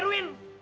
erwin bukan dia